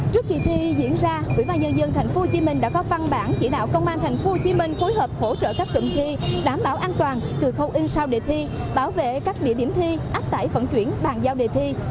trước kỳ thi diễn ra quỹ ban nhân dân tp hcm đã có văn bản chỉ đạo công an tp hcm phối hợp hỗ trợ các cụm thi đảm bảo an toàn từ khâu in sao đề thi bảo vệ các địa điểm thi ách tải vận chuyển bàn giao đề thi